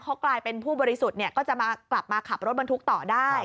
เขากลายเป็นผู้บริสุทธิ์ก็จะมากลับมาขับรถบรรทุกต่อได้